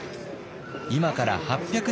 今から８００年